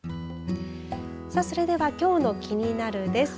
それではきょうのキニナル！です。